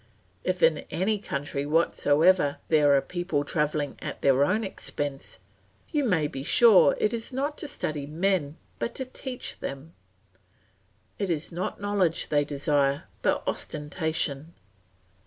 If in any country whatsoever there are people travelling at their own expense, you may be sure it is not to study men but to teach them. It is not knowledge they desire but ostentation.